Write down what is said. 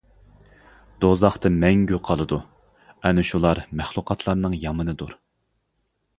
دوزاختا مەڭگۈ قالىدۇ ئەنە شۇلار مەخلۇقاتلارنىڭ يامىنىدۇر.